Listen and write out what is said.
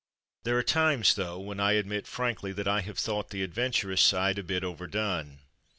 There are times, though, when I admit frankly that I have thought the adventur ous side a bit overdone.